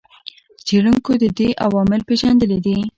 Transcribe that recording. څېړونکو د دې عوامل پېژندلي دي.